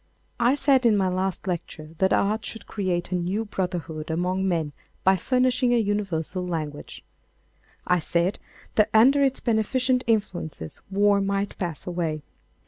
I said in my last lecture that art would create a new brotherhood among men by furnishing a universal language. I said that under its beneficent influences war might pass away.